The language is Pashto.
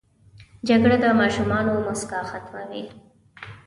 جګړه د ماشومانو موسکا ختموي